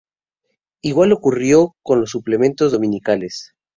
Igual ocurrió con los suplementos dominicales.